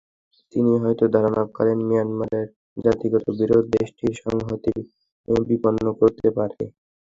তিনি হয়তো ধারণা করেন, মিয়ানমারের জাতিগত বিরোধ দেশটির সংহতি বিপন্ন করতে পারে।